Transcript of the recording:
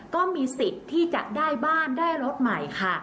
ก็มีสิทธิ์ที่จะได้บ้านได้รถใหม่ค่ะ